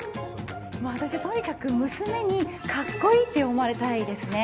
私はとにかく娘に格好いいって思われたいですね。